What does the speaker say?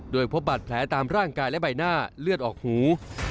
โดยพบบาดแผลตามร่างกายและใบหน้าเลือดออกหู